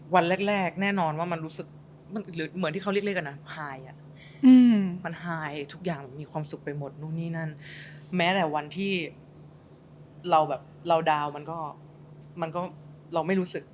วันแรกแน่นอนว่ามันรู้สึก